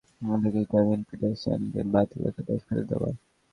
অনেকটা জুড়ে থাকতে পারত বিতর্কিতভাবে কেভিন পিটারসেনকে বাতিলের খাতায় ফেলে দেওয়া।